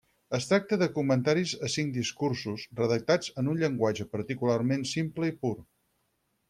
Es tracta de comentaris a cinc discursos, redactats en un llenguatge particularment simple i pur.